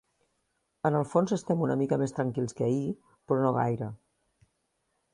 En el fons estem una mica més tranquils que ahir, però no gaire.